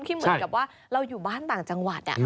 เหมือนกับว่าเราอยู่บ้านต่างจังหวัด